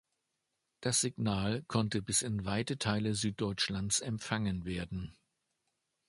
Das Signal konnte bis in weite Teile Süddeutschlands empfangen werden.